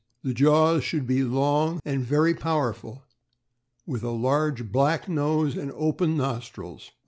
The jaws should be long and very powerful, with a large black nose and open nostrils.